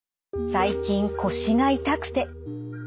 最近腰が痛くて。